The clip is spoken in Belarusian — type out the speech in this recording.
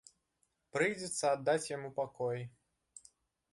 Прыйдзецца аддаць яму пакой.